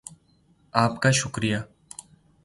آپ کا شکریہ